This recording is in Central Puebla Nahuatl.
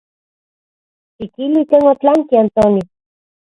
Xikilui ken otlanki Antonio.